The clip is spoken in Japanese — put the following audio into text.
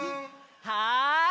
はい。